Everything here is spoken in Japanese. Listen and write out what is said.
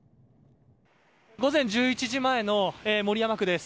午前１１時前の守山区です。